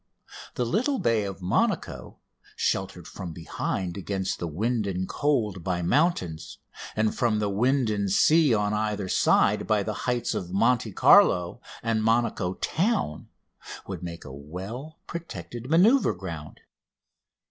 The little bay of Monaco, sheltered from behind against the wind and cold by mountains, and from the wind and sea on either side by the heights of Monte Carlo and Monaco town, would make a well protected manoeuvre ground.